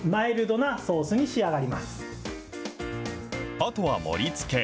あとは盛りつけ。